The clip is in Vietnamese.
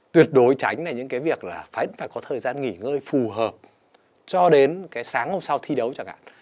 tuyệt đối tránh là những cái việc là phải có thời gian nghỉ ngơi phù hợp cho đến cái sáng hôm sau thi đấu chẳng hạn